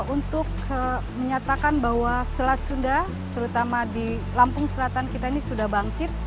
untuk menyatakan bahwa selat sunda terutama di lampung selatan kita ini sudah bangkit